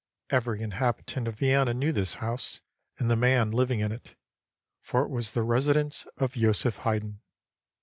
Every inhabitant of Vienna knew this house and the man living in it, for it was the residence of Joseph Haydn.